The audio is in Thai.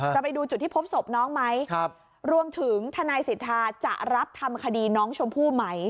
ไปดูจุดที่พบศพน้องไหมรวมถึงทนายสิทธาจะรับทำคดีน้องชมพู่ไหม